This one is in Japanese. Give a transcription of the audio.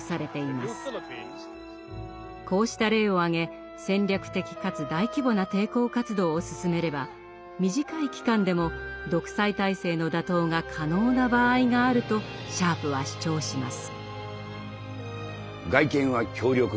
こうした例を挙げ戦略的かつ大規模な抵抗活動を進めれば短い期間でも独裁体制の打倒が可能な場合があるとシャープは主張します。